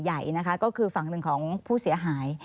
ใช่คือที่น้องเล่า